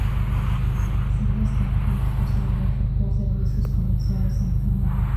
Sin esta, no es posible efectuar servicios comerciales en Canadá.